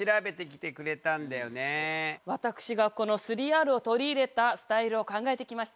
私がこの３Ｒを取り入れたスタイルを考えてきました。